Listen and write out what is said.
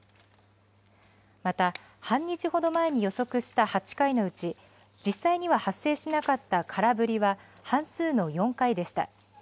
また、半日ほど前に予測した８回のうち、実際には発生しなかった空振りは半数の４回でした。